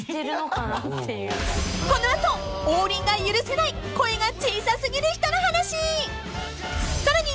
［この後王林が許せない声が小さすぎる人の話］